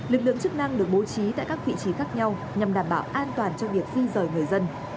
lực lượng chức năng được bố trí tại các vị trí khác nhau nhằm đảm bảo an toàn cho việc di rời người dân